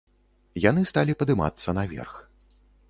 Яны сталі падымацца наверх.